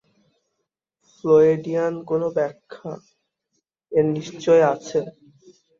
ফ্লয়েডিয়ান কোনো ব্যাখ্যা এর নিশ্চয়ই আছে।